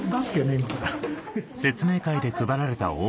今から。